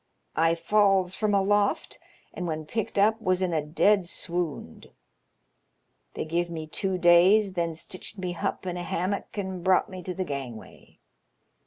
1 falls from aloft, and when picked up was in a dead swound. They give me two days, then stitched me hup in a hammock and brought me to th' gangway.